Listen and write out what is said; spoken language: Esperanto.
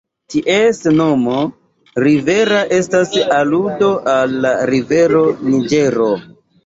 Ties nomo "Rivera" estas aludo al la rivero Niĝero.